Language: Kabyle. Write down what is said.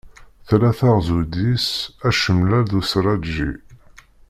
Tella teɣzuyt deg-s acamlal d userraǧi.